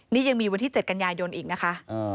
นี่ยังมีวันที่๗กันยายนอีกนะคะ